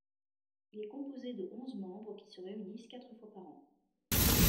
Il est composé de onze membres qui se réunissent quatre fois par an.